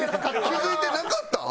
気付いてなかったん？